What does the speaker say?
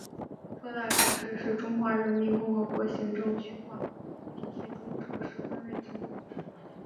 特大城市是中华人民共和国行政区划体系中城市分类之一。